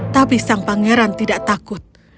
tapi sang pangeran tidak takut